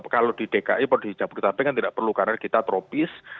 kalau di dki atau di jabodetabek kan tidak perlu karena kita tropis